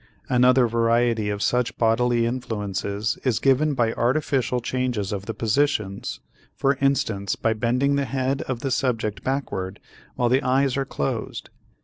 Another variety of such bodily influences is given by artificial changes of the positions, for instance by bending the head of the subject backward while the eyes are closed.